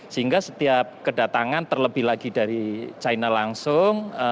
sehingga setiap kedatangan terlebih lagi dari china langsung